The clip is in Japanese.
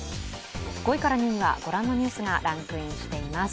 ５位から２位はご覧のニュースがランクインしています。